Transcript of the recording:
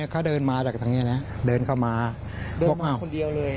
เขาเดินมาจากทางนี้นะเดินเข้ามาพบอ้าวคนเดียวเลย